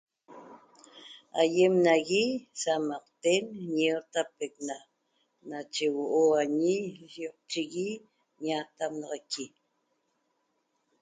Ayem nagui sa amaqten ñotapeqna nache huo'o añe yoqchigue ña tamnaxaqui